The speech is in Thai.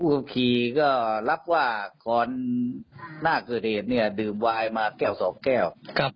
ผู้ครับพี่ก็รับว่าคอนที่นี่ก็เดิมไวน์มาแก้วสองแก้ว